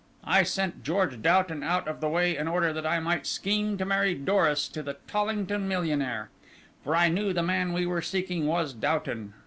I sent George Doughton out of the way in order that I might scheme to marry Doris to the Tollington millionaire. For I knew the man we were seeking was Doughton.